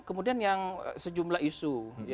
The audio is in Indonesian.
kemudian yang sejumlah isu